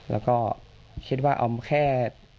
แล้วก็คิดว่าเอาแค่